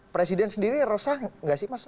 presiden sendiri resah gak sih mas